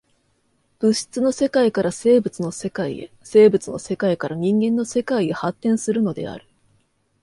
物質の世界から生物の世界へ、生物の世界から人間の世界へ発展するのである。